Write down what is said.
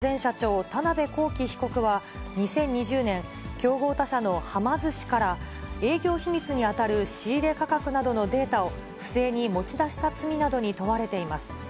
カッパ・クリエイトの前社長、田辺公己被告は、２０２０年、競合他社のはま寿司から営業秘密に当たる仕入れ価格などのデータを不正に持ち出した罪などに問われています。